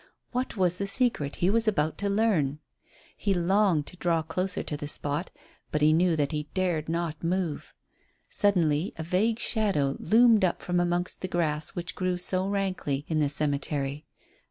What was the secret he was about to learn? He longed to draw closer to the spot, but he knew that he dared not move. Suddenly a vague shadow loomed up from amongst the grass which grew so rankly in the cemetery.